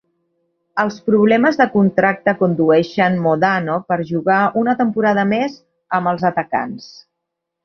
Els problemes de contracte condueixen Modano per jugar una temporada més amb els atacants.